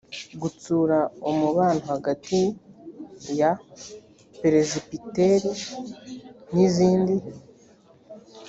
gutsura umubano hagati ya peresibiteri n’izindi